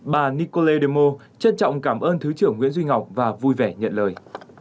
bà nikole demo trân trọng cảm ơn thứ trưởng nguyễn duy ngọc và vui vẻ nhận lời